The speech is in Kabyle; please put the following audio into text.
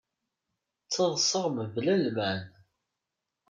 Ttaḍṣaɣ mebla lmeεna.